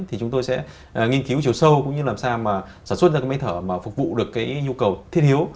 thì chúng tôi sẽ nghiên cứu chiều sâu cũng như làm sao mà sản xuất ra cái máy thở mà phục vụ được cái nhu cầu thiết yếu